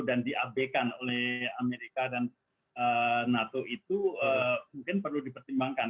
dan di ab kan oleh amerika dan nato itu mungkin perlu dipertimbangkan